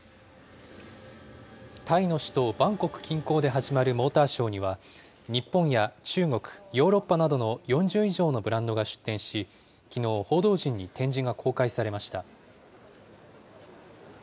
タイの首都バンコク近郊で始まるモーターショーには、日本や中国、ヨーロッパなどの４０以上のブランドが出展し、きのう、報道陣に展示が公開されました。